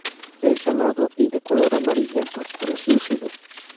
Es salado y de color amarillento traslúcido.